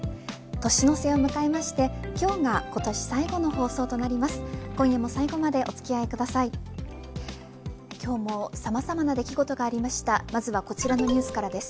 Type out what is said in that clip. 年の瀬を迎えまして今日が今年最後の放送となります。